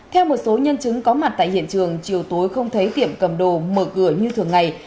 theo một số nhân chứng có mặt tại hiện trường chiều tối không thấy tiệm cầm đồ mở cửa như thường ngày